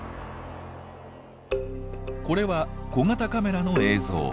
これは小型カメラの映像。